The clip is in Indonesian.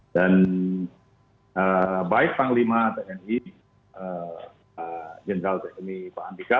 dan baik panglima tni jenderal teknik pak andika